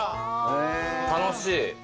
楽しい。